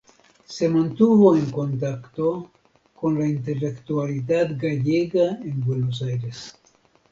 Se mantuvo en contacto con la intelectualidad gallega en Buenos Aires.